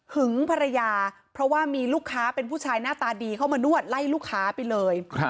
ภรรยาเพราะว่ามีลูกค้าเป็นผู้ชายหน้าตาดีเข้ามานวดไล่ลูกค้าไปเลย